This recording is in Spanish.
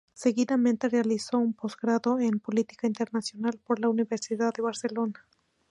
Seguidamente realizó un Postgrado en Política internacional por la Universidad de Barcelona.